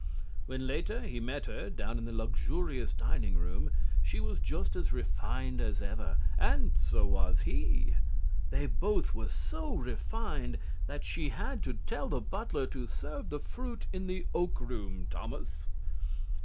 When later he met her down in the luxurious dining room she was just as refined as ever. And so was he. They both were so refined that she had to tell the butler to "serve the fruit in the Oak Room, Thomas."